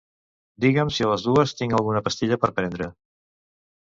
Digue'm si a les dues tinc alguna pastilla per prendre.